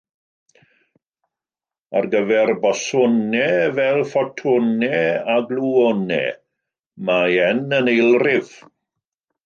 Ar gyfer bosonau, fel ffotonau a glwonau, mae "n" yn eilrif.